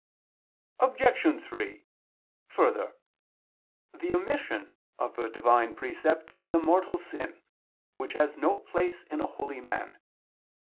Obj. 3: Further, the omission of a Divine precept is a mortal sin, which has no place in a holy man.